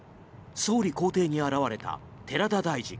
総理公邸に現れた寺田大臣。